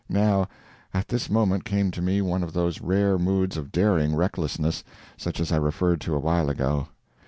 Now, at this moment came to me one of those rare moods of daring recklessness, such as I referred to a while ago.